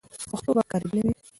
پښتو به کارېدلې وي.